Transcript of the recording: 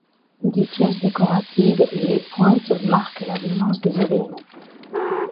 Des pièces décoratives et les pointes marquent la violence des événements.